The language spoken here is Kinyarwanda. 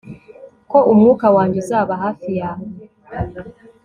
ko umwuka wanjye uzaba hafi yawe